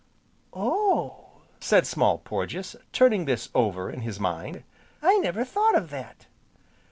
"Oh!" said Small Porges, turning this over in his mind, "I never thought of that."